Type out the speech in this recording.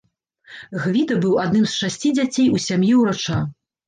Гвіда быў адным з шасці дзяцей у сям'і ўрача.